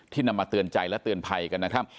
นำมาเตือนใจและเตือนภัยกันนะครับ